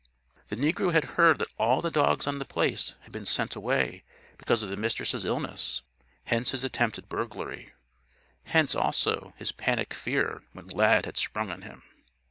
The negro had heard that all the dogs on The Place had been sent away because of the Mistress' illness. Hence his attempt at burglary. Hence also, his panic fear when Lad had sprung on him.